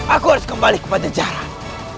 aku harus kembali kepada jarak